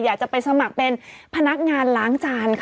อยากจะไปสมัครเป็นพนักงานล้างจานค่ะ